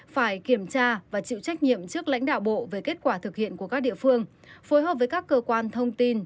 phải kiểm tra và chịu trách nhiệm trước lãnh đạo bộ về kết quả thực hiện của các địa phương phối hợp với các cơ quan thông tin